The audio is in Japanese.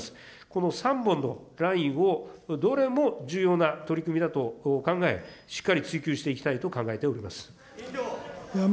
この３本のラインをどれも重要な取り組みだと考え、しっかり追及していきたいと考えております。